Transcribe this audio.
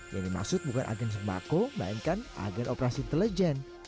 yang dimaksud bukan agen sembako melainkan agen operasi intelijen